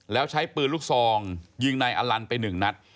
แล้วใช้ปืนลูกซองยิงนายอลันไปหนึ่งนัด